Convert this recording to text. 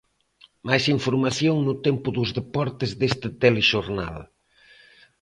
Máis información, no tempo dos deportes deste telexornal.